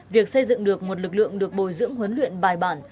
việc xây dựng được một lực lượng được bồi dưỡng huấn luyện bài bản